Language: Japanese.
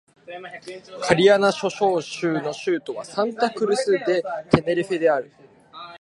カナリア諸島州の州都はサンタ・クルス・デ・テネリフェである